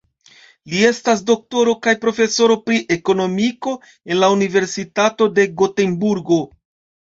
Li estas doktoro kaj profesoro pri Ekonomiko en la Universitato de Gotenburgo.